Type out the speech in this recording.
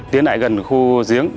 tiến đại gần khu giếng